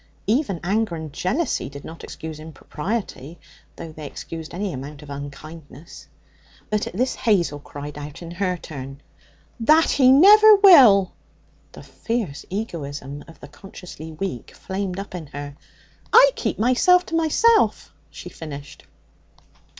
Even anger and jealousy did not excuse impropriety, though they excused any amount of unkindness. But at this Hazel cried out in her turn: 'That he never will!' The fierce egoism of the consciously weak flamed up in her. 'I keep myself to myself,' she finished.